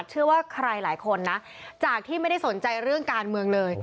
เชื่อว่าใครหลายคนนะจากที่ไม่ได้สนใจเรื่องการเมืองเลย